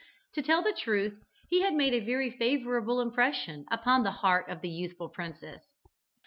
To tell the truth, he had made a very favourable impression upon the heart of the youthful princess.